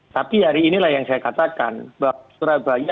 tapi hari inilah yang saya katakan bahwa surabaya harus guyup rukun dan penuh